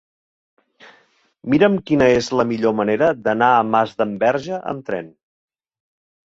Mira'm quina és la millor manera d'anar a Masdenverge amb tren.